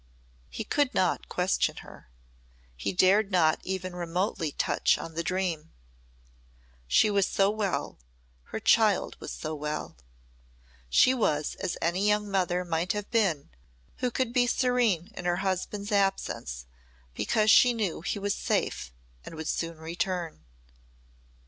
He could not question her. He dared not even remotely touch on the dream. She was so well, her child was so well. She was as any young mother might have been who could be serene in her husband's absence because she knew he was safe and would soon return.